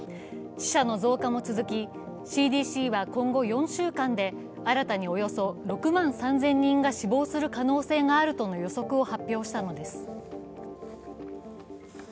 死者の増加も続きＣＤＣは今後４週間で新たにおよそ６万３０００人が死亡する可能性があるとの予測を発表したのです。